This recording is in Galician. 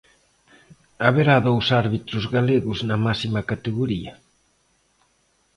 Haberá dous árbitros galegos na máxima categoría.